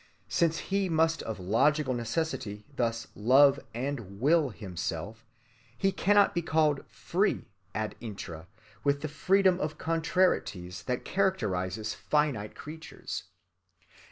(293) Since He must of logical necessity thus love and will himself, He cannot be called "free" ad intra, with the freedom of contrarieties that characterizes finite creatures.